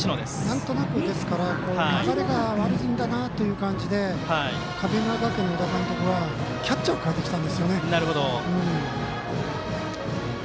なんとなく流れが悪いなという感じで神村学園の小田監督はキャッチャーを代えてきたんですよね。